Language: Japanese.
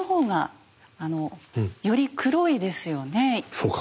そうか。